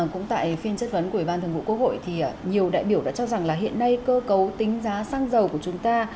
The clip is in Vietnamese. cũng tại phiên chất vấn của ủy ban thường vụ quốc hội thì nhiều đại biểu đã cho rằng là hiện nay cơ cấu tính giá xăng dầu của chúng ta